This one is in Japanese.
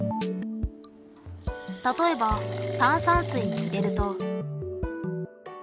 例えば炭酸水に入れると。